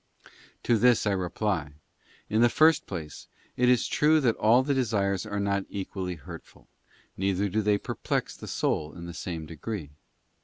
To this I reply: in the first place, it is true that all the desires are not equally hurtful, neither do they perplex the soul in the same degree.